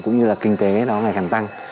cũng như là kinh tế nó ngày càng tăng